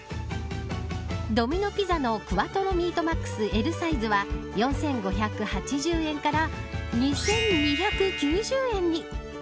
ドミノ・ピザのクワトロ・ミートマックスＬサイズは４５８０円から２２９０円に。